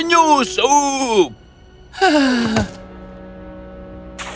kau sudah tiba